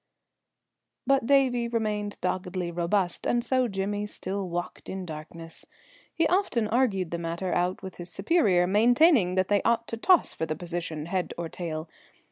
But Davie remained doggedly robust, and so Jimmy still walked in darkness. He often argued the matter out with his superior, maintaining that they ought to toss for the position head or tail.